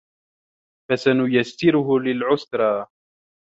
فَسَنُيَسِّرُهُ لِلعُسرى